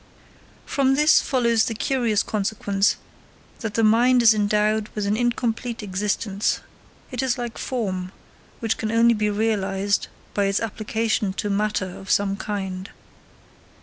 From this follows the curious consequence that the mind is endowed with an incomplete existence; it is like form, which can only be realised by its application to matter of some kind.